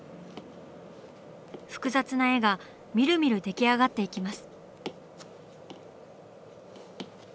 複雑な絵がみるみる出来上がっていきます。